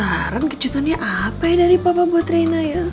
penasaran kejutannya apa ya dari papa buat rena ya